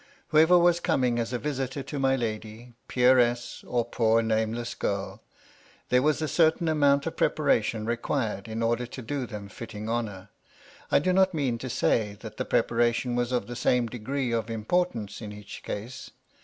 Whoever was coming as a visitor to my lady, peeress, or poor nameless girl, there was a certain amount of preparation required, in order to do them fitting honour. I do not mean to say that the preparation was of the same degree of import ance in each case.